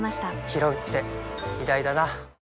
ひろうって偉大だな